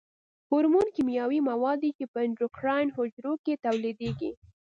هورمون کیمیاوي مواد دي چې په اندوکراین حجرو کې تولیدیږي.